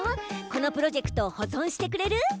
このプロジェクトを保存してくれる？